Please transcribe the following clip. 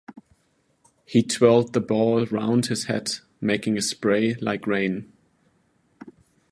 He twirled the ball round his head, making a spray like rain.